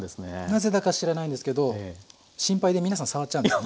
なぜだか知らないんですけど心配で皆さん触っちゃうんです。